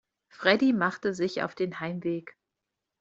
Freddie machte sich auf den Heimweg.